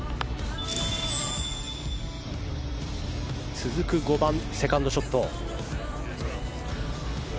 続く５番、セカンドショット。